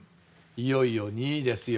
いよいよ２位ですよ。